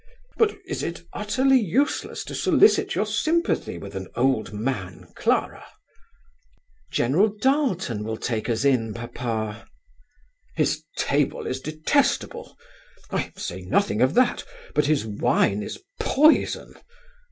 But is it utterly useless to solicit your sympathy with an old man, Clara?" "General Darleton will take us in, papa." "His table is detestable. I say nothing of that; but his wine is poison.